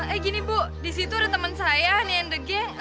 eh gini bu disitu ada temen saya nian the gang